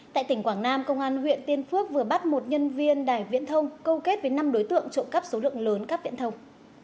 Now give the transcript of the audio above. tại tỉnh quảng nam công an huyện tiên phước vừa bắt một nhân viên đài viễn thông câu kết với năm đối tượng trộm cắp số lượng lớn các viễn thông